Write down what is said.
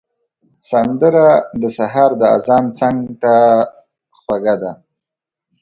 سندره د سهار د اذان څنګ ته خوږه ده